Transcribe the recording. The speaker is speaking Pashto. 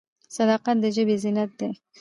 صداقت د ژبې زینت دی.